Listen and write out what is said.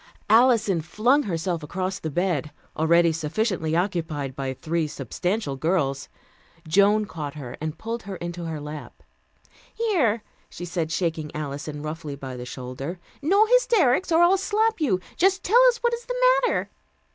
Alison flung herself across the bed, already sufficiently occupied by three substantial girls. Joan caught her and pulled her into her lap. "Here," she said, shaking Alison roughly by the shoulder. "No hysterics, or I'll slap you. Just tell us what is the matter."